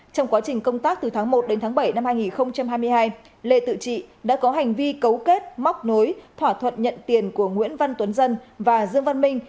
trong quá trình công tác từ tháng một đến tháng bảy năm hai nghìn hai mươi hai lê tự trị đã có hành vi cấu kết móc nối thỏa thuận nhận tiền của nguyễn văn tuấn dân và dương văn minh